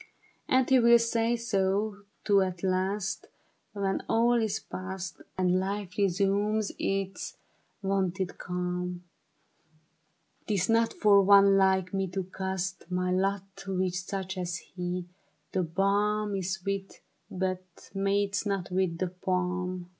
And he will say so, too, at last When all is passed And life resumes its wonted calm ;' Tis not for one like me to cast My lot with such as he ; the balm Is sweet, but mates not with the palm.